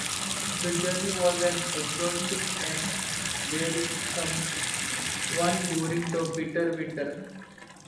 The journey was an exhausting and wearisome one during the bitter winter.